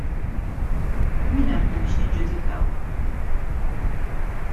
Min aħna biex niġġudikaw?